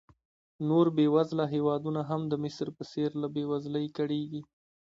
نور بېوزله هېوادونه هم د مصر په څېر له بېوزلۍ کړېږي.